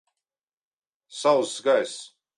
Sauss gaiss.